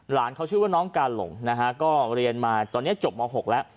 หลานเขาชื่อว่าน้องกาหลงก็เรียนมาตอนนี้จบเมื่อ๖แล้ว